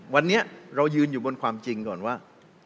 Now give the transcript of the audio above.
วันนี้เรายืนอยู่บนความจริงก่อนว่า